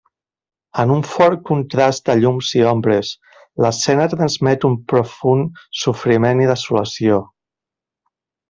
En un fort contrast de llums i ombres, l'escena transmet un profund sofriment i desolació.